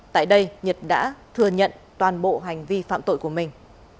tại đây nhật đã thừa nhận toàn bộ hành vi phạm tội của mình